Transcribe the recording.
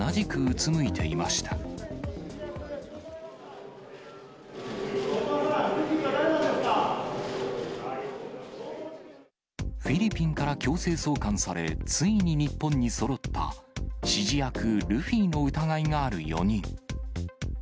小島さん、フィリピンから強制送還され、ついに日本にそろった、指示役、ルフィの疑いがある４人。